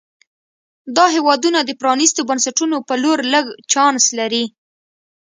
دا هېوادونه د پرانیستو بنسټونو په لور لږ چانس لري.